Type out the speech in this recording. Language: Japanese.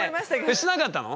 しなかったの？